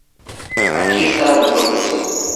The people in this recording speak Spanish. Aquí está la mejor versión.